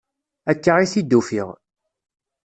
Akka i t-id-ufiɣ.